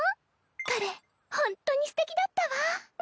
彼ホントにすてきだったわ。